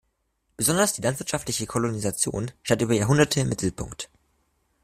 Besonders die landwirtschaftliche Kolonisation stand über Jahrhunderte im Mittelpunkt.